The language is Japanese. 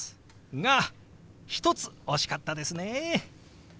が一つ惜しかったですね。